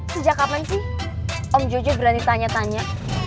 sejak kapan sih om jojo berani tanya tanya